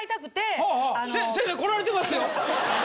先生来られてますよ。